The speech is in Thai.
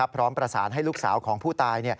พร้อมประสานให้ลูกสาวของผู้ตาย